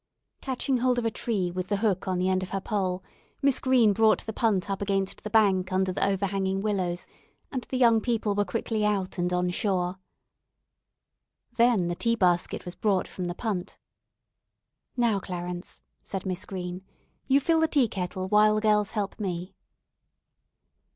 Catching hold of a tree with the hook on the end of her pole, Miss Green brought the punt up against the bank under the overhanging willows, and the young people were quickly out and on shore. Then the tea basket was brought from the punt. "Now, Clarence," said Miss Green, "you fill the teakettle while the girls help me."